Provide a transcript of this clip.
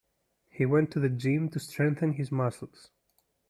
He went to gym to strengthen his muscles.